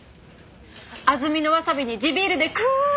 安曇野わさびに地ビールでクゥッ！